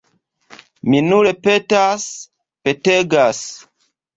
Mi nur petas, petegas.